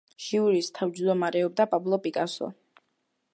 ჟიურის თავჯდომარეობდა პაბლო პიკასო.